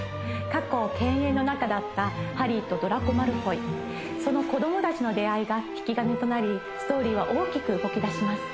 過去犬猿の仲だったハリーとドラコ・マルフォイその子どもたちの出会いが引き金となりストーリーは大きく動きだします